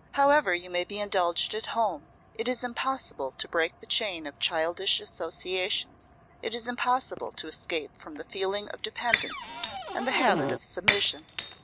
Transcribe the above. However you may be indulged at home, it is impossible to break the chain of childish associations; it is impossible to escape from the feeling of dependence and the habit of submission.